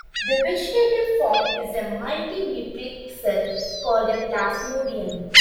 The vegetative form is a multinucleate cell, called a plasmodium.